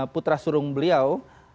putra surung beliau